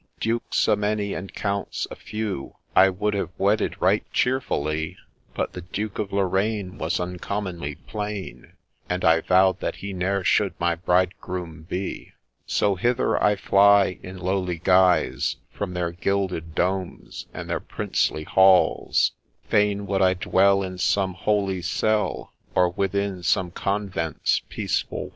4 Dukes a many, and Counts a few, I would have wedded right cheerfullie ; But the Duke of Lorraifle was uncommonly plain, And I vow'd that he ne'er should my bridegroom be I 4 So hither I fly, in lowly guise, From their gilded domes and their princely halls ; Fain would I dwell in some holy cell, Or within some Convent's peaceful walls